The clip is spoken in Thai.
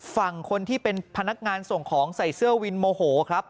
ฝั่งคนที่เป็นพนักงานส่งของใส่เสื้อวินโมโหครับ